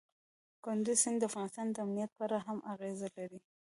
کندز سیند د افغانستان د امنیت په اړه هم اغېز لري.